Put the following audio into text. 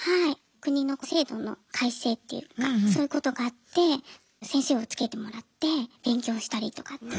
国の制度の改正っていうかそういうことがあって先生をつけてもらって勉強したりとかって。